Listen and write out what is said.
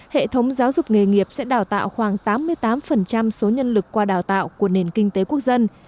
hệ thống giáo dục nghề nghiệp sẽ đào tạo khoảng tám mươi tám số nhân lực qua đào tạo của nền kinh tế quốc dân